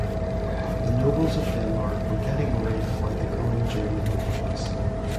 The nobles of Denmark were getting worried about the growing German influence.